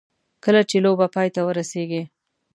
کله چې لوبه پای ته ورسېږي.